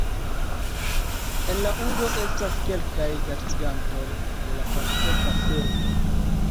En la urbo estas kelkaj gastigantoj de la Pasporta Servo.